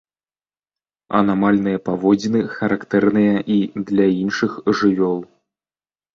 Анамальныя паводзіны характэрныя і для іншых жывёл.